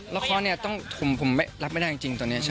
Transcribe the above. ละครเนี่ยต้องผมรับไม่ได้จริงตอนเนี่ย